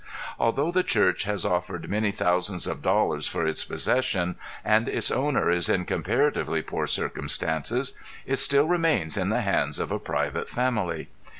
Although the church has offered many thousands of dollars for its possession, and its owner is in comparatively poor circumstances, it still remains in the hands of a private family.